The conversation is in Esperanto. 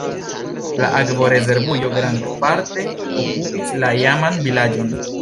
La akvorezervujo grandparte okupis la iaman vilaĝon.